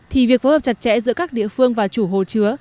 thì việc phối hợp chặt chẽ giữa các địa phương và chủ hồ chứa